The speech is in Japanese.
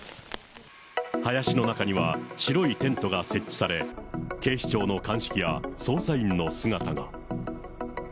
林の中には、白いテントが設置され、警視庁の鑑識や捜査員の姿が。